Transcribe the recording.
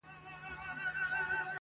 د موبايل ټول تصويرونهيېدلېپاتهسي،